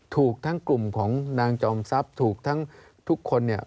ถูกทั้งกลุ่มของนางจอมทรัพย์ถูกทั้งทุกคนเนี่ย